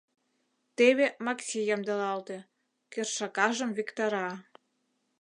Теве Макси ямдылалте, кершакажым виктара...